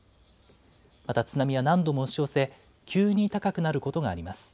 また津波は何度も押し寄せ、急に高くなることがあります。